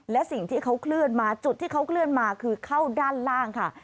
และสิ่งที่เขาเคลื่อนมาจุดที่เขาเคลื่อนมาคือเข้าด้านล่างค่ะ